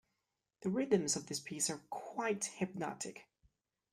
The rhythms of this piece are quite hypnotic